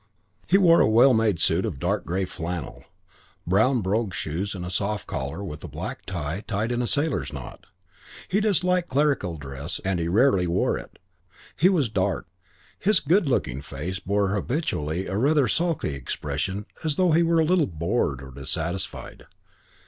He wore a well made suit of dark grey flannel, brown brogue shoes and a soft collar with a black tie tied in a sailor's knot. He disliked clerical dress and he rarely wore it. He was dark. His good looking face bore habitually a rather sulky expression as though he were a little bored or dissatisfied.